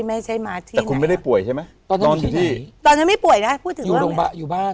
ไม่ใช่มาที่ไหนแต่คุณไม่ได้ป่วยใช่ไหมตอนนั้นไม่ได้ป่วยนะพูดถึงว่า